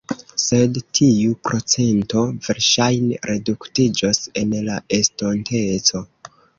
Sed tiu procento verŝajne reduktiĝos en la estonteco..